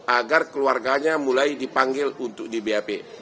agar keluarganya mulai dipanggil untuk di bap